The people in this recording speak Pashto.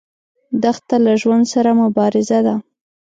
دښته له ژوند سره مبارزه ده.